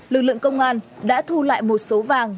lực lượng công an đã thu lại một số vàng